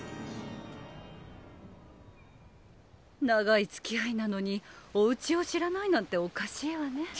長いつきあいなのにおうちを知らないなんておかしいわね。